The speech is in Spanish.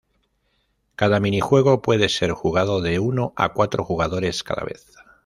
Cada minijuego puede ser jugado de uno a cuatro jugadores cada vez.